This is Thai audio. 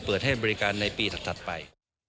เปิดให้บริการในปีถัดไป